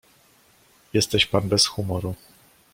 "Jesteś pan bez humoru."